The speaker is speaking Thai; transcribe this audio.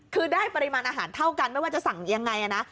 คือได้ปริมาณอาหารเท่ากันไม่ว่าจะสั่งยังไงนะ